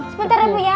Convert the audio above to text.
sebentar ya bu ya